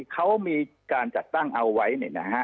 เขามีการจัดตั้งเอาไว้เนี่ยนะฮะ